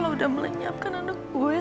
lo udah melenyapkan anak gue sama riki